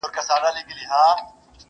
هم په دام کي وه دانه هم غټ ملخ و,